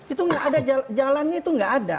itu gak ada jalannya itu gak ada